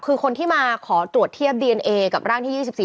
คือคนที่มาขอตรวจเทียบดีเอนเอกับร่างที่๒๔